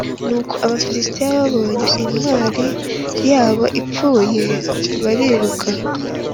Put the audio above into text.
Nuko Abafilisitiya babonye intwari yabo ipfuye bariruka.